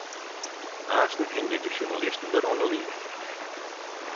Aansten hingje de sjoernalisten wer oan 'e line.